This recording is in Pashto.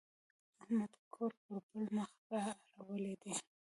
احمد کور پر بل مخ را اړولی دی.